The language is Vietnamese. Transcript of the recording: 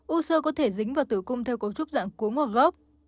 u sơ có thể dính vào tử cung theo cấu trúc dạng cuống hoặc góc